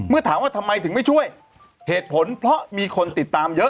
ถามว่าทำไมถึงไม่ช่วยเหตุผลเพราะมีคนติดตามเยอะ